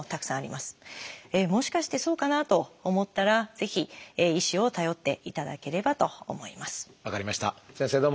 もしかしてそうかな？と思ったらぜひ医師を頼っていただければと思います。